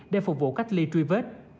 để phục vụ cách ly truy vết